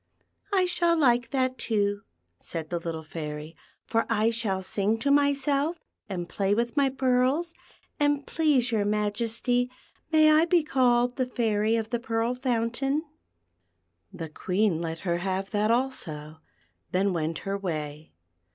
" I shall like that, too," said the little Fairy, " for I shall sing to myself, and play with my pearls ; and, please your Majesty, may I be called the Fairy of the Pearl Fountain." The Queen let her have that also, then went her way.